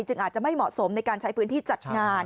อาจจะไม่เหมาะสมในการใช้พื้นที่จัดงาน